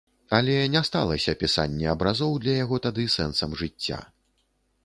Але не сталася пісанне абразоў для яго тады сэнсам жыцця.